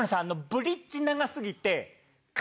ブリッジ長過ぎて。